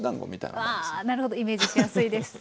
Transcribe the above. あなるほどイメージしやすいです。